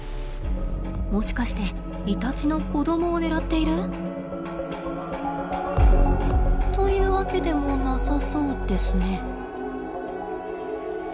もしかしてイタチの子供を狙っている？というわけでもなさそうですね。